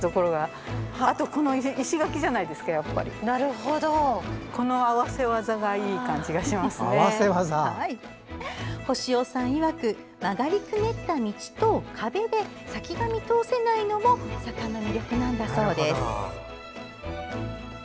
ほしおさんいわく曲がりくねった道と壁で先が見通せないのも坂の魅力なんだそうです。